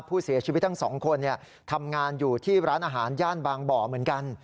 ผู้เสียชีวิตทั้งสองคนทำงานอยู่ที่ร้านอาหารย่านบางบ่อเหมือนกัน